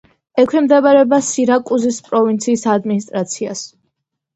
ექვემდებარება სირაკუზის პროვინციის ადმინისტრაციას.